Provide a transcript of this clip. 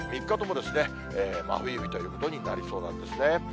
３日とも真冬日ということになりそうなんですね。